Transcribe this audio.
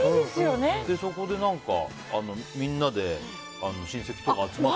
そこでみんなで親戚とか集まって。